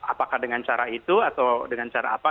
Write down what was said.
apakah dengan cara itu atau dengan cara apa